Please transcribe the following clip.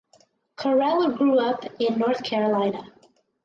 Correll grew up in North Carolina.